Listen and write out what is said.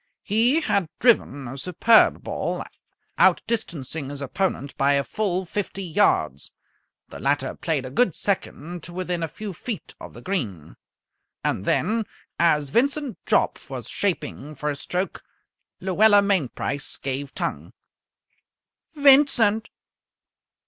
He had driven a superb ball, outdistancing his opponent by a full fifty yards. The latter played a good second to within a few feet of the green. And then, as Vincent Jopp was shaping for his stroke, Luella Mainprice gave tongue. "Vincent!"